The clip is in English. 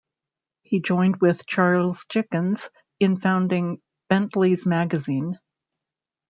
He joined with Charles Dickens in founding "Bentley's Magazine".